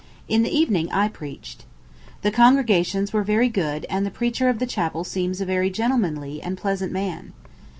In the evening I preached. The congregations were very good, and the preacher of the chapel seems a very gentlemanly and pleasant man.